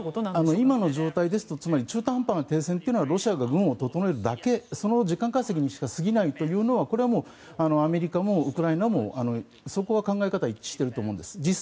今の状態ですと中途半端な停戦はロシアが軍を整えるだけその時間稼ぎにしかすぎないというのはアメリカもウクライナもそこは考え方が一致していると思うんです。